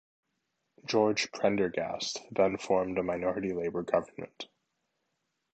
George Prendergast then formed a minority Labor government.